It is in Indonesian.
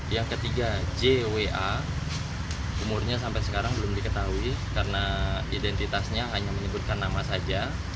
yang ketiga jwa umurnya sampai sekarang belum diketahui karena identitasnya hanya menyebutkan nama saja